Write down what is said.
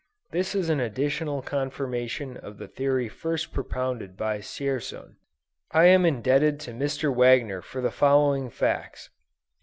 This is an additional confirmation of the theory first propounded by Dzierzon. I am indebted to Mr. Wagner for the following facts.